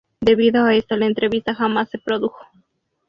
Debido a esto la entrevista jamás se produjo.